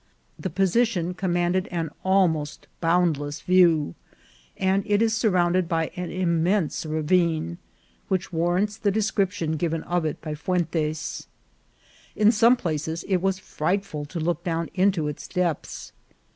The position commanded an almost boundless view, and it is surrounded by an immense ra vine, which warrants the description given of it by Fu entes. In some places it was frightful to look down into its depths.